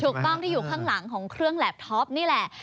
ถูกต้องที่อยู่ข้างหลังของเครื่องแหลบท็อปนี่แหละ